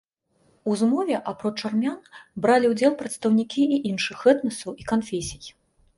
У змове апроч армян бралі ўдзел прадстаўнікі і іншых этнасаў і канфесій.